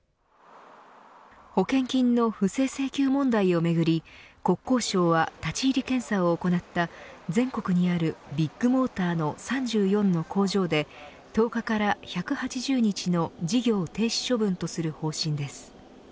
保険金の不正請求問題をめぐり国交省は立ち入り検査を行った全国にあるビッグモーターの３４の工場で１０日から１８０日の事業停止処分とする方針です。